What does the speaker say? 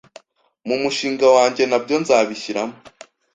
mu mushinga wanjye nabyo nzabishyiramo